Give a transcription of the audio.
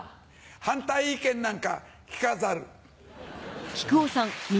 反対意見なんか聞かざる。